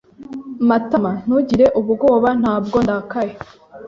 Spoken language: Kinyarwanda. [Matama] Ntugire ubwoba. Ntabwo ndakaye.